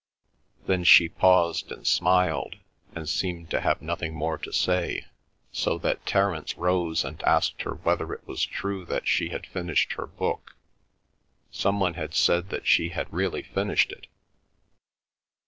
Then she paused and smiled, and seemed to have nothing more to say, so that Terence rose and asked her whether it was true that she had finished her book. Some one had said that she had really finished it.